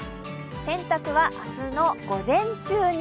洗濯は明日の午前中に。